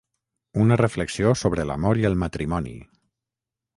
Una reflexió sobre l’amor i el matrimoni.